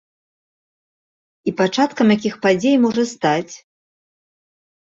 І пачаткам якіх падзей можа стаць?